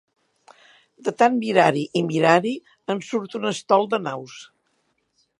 De tant mirar-hi i mirar-hi en surt un estol de naus.